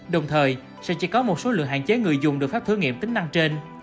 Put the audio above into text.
đồng thời sẽ chỉ có một số lượng hạn chế người dùng được phát thử nghiệm tính năng trên